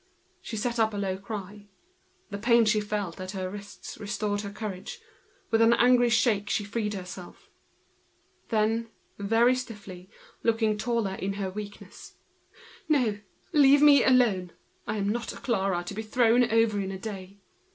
She set up a low cry; the pain she felt at her wrists restored her courage. With an angry shake she disengaged herself. Then, very stiff, looking taller in her weakness: "No, leave me alone! I am not a Clara, to be thrown over in a day.